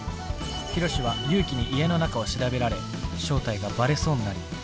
ヒロシは祐樹に家の中を調べられ正体がバレそうになり。